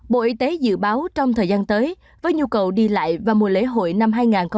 bộ y tế dự báo trong thời gian tới với nhu cầu đi lại và mùa lễ hội năm hai nghìn hai mươi